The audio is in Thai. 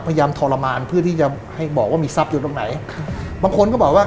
ทรมานเพื่อที่จะให้บอกว่ามีทรัพย์อยู่ตรงไหนครับบางคนก็บอกว่า